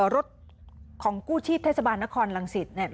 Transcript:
รถของกู้ชีพเทศบาลนครรังสิตเนี่ย